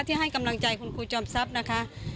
ให้กำลังใจคุณครูจอมทรัพย์นะคะ